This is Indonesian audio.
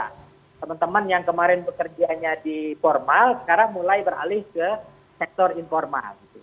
karena teman teman yang kemarin bekerjanya di formal sekarang mulai beralih ke sektor informal